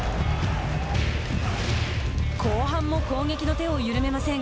後半も攻撃の手を緩めません。